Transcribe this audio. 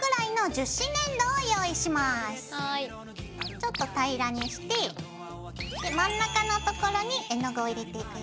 ちょっと平らにして真ん中のところに絵の具を入れていくよ。